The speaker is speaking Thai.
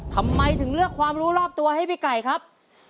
ทำไมถึงเลือกความรู้รอบตัวให้พี่ไก่ครับ